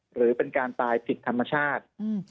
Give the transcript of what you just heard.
หรือเป็นการตายผิดธรรมชาติ